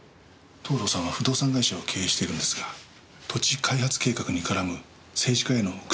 藤堂さんは不動産会社を経営しているんですが土地開発計画に絡む政治家への口利き料だそうです。